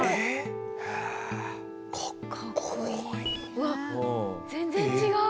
うわっ全然違う！